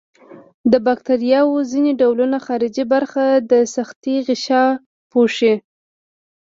د باکتریاوو ځینې ډولونه خارجي برخه د سختې غشا پوښي.